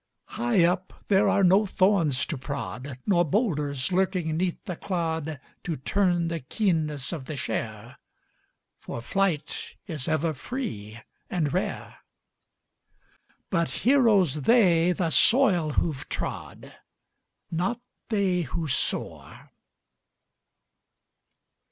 High up there are no thorns to prod, Nor boulders lurking 'neath the clod To turn the keenness of the share, For flight is ever free and rare; But heroes they the soil who 've trod, Not they who soar!